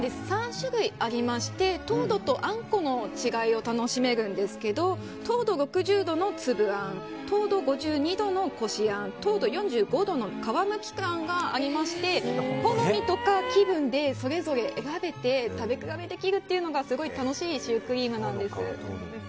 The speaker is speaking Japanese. ３種類ありまして糖度とあんこの違いを楽しめるんですけど糖度６０度の粒あん糖度５２度のこしあん糖度４５度の皮むきあんがありまして好みとか気分で、それぞれ選べて食べ比べできるのが楽しいシュークリームなんです。